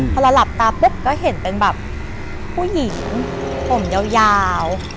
พอเราหลับตาปุ๊บก็เห็นเป็นแบบผู้หญิงผมยาว